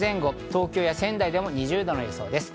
東京や仙台でも２０度の予想です。